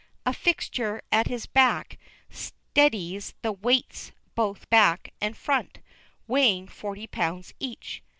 A fixture at his back steadies the weights both back and front, weighing forty pounds each.